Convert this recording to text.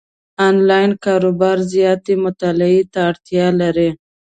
انلاین کاروبار زیاتې مطالعې ته اړتیا لري،